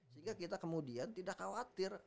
sehingga kita kemudian tidak khawatir